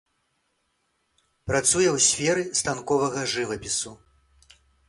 Працуе ў сферы станковага жывапісу.